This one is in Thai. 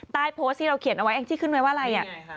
โพสต์ที่เราเขียนเอาไว้แองจี้ขึ้นไว้ว่าอะไร